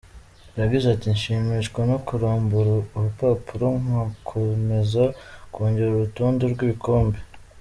Yagize ati “Nshimishwa no kurambura urupapuro ngakomeza kongera urutonde rw’ibikombe.